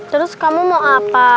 terus kamu mau apa